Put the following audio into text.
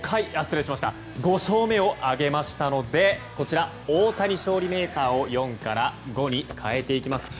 ５勝目を挙げましたので大谷勝利メーターを４から５に変えていきます。